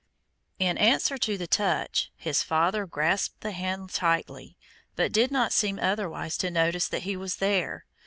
In answer to the touch, his father grasped the hand tightly, but did not seem otherwise to notice that he was there.